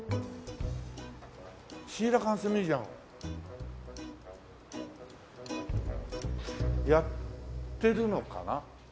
「シーラカンス・ミュージアム」やってるのかな？